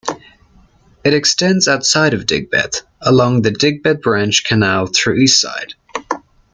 It extends outside of Digbeth, along the Digbeth Branch Canal through Eastside.